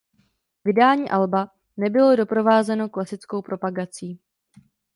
Vydání alba nebylo doprovázeno klasickou propagací.